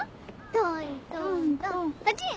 トントントンパチン！